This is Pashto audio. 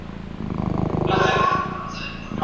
که مجازي تدریس دوام وکړي، مهارتونه نه کمېږي.